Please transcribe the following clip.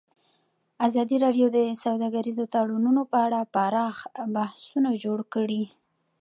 ازادي راډیو د سوداګریز تړونونه په اړه پراخ بحثونه جوړ کړي.